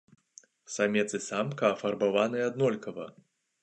Самец і самка афарбаваныя аднолькава.